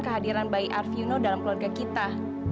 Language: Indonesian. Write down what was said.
kehadiran bayi arvino dalam keluarga kita